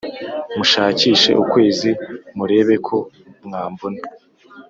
munshakishe ukwezi murebeko mwambona;